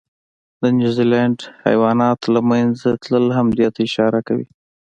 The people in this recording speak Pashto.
د نیوزیلند حیواناتو له منځه تلل هم دې ته اشاره کوي.